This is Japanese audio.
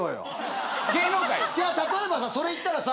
例えばそれ言ったらさ